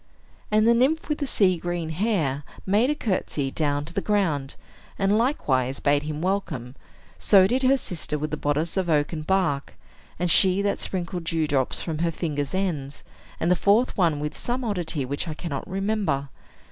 And the nymph with the sea green hair made a courtesy down to the ground, and likewise bade him welcome; so did her sister with the bodice of oaken bark, and she that sprinkled dew drops from her fingers' ends, and the fourth one with some oddity which I cannot remember.